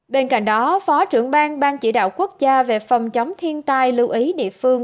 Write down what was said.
bên cạnh đó phó trưởng bang ban chỉ đạo quốc gia về phòng chống thiên tai lưu ý địa phương